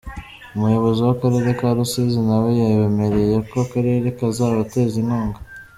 Umuyobozi w’akarere ka Rusizi nawe yabemereye ko akarere kazabateza inkunga.